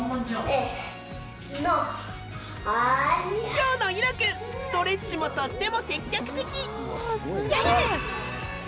今日のイロくんストレッチもとっても積極的！